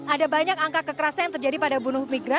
ada banyak angka kekerasan yang terjadi pada bunuh migran